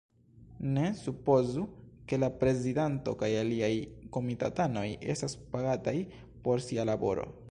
Ne supozu, ke la prezidanto kaj aliaj komitatanoj estas pagataj por sia laboro!